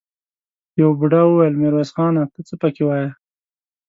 يوه بوډا وويل: ميرويس خانه! ته څه پکې وايې؟